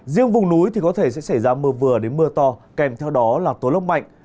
riêng vùng núi thì có thể sẽ xảy ra mưa vừa đến mưa to kèm theo đó là tố lốc mạnh